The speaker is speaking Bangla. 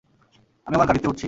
আমি আমার গাড়িতে উঠছি!